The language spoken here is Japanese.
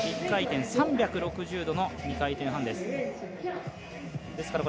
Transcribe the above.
１回転３６０度の２回転半です。